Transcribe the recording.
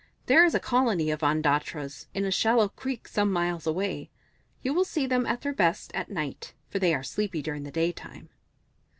There is a colony of Ondatras in a shallow creek some miles away. You will see them at their best at night, for they are sleepy during the day time."